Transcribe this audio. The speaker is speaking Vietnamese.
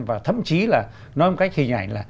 và thậm chí là nói một cách hình ảnh là